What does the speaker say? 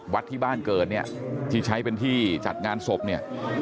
ที่บ้านเกิดเนี่ยที่ใช้เป็นที่จัดงานศพเนี่ย